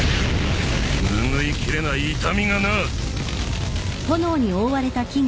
拭い切れない痛みがな！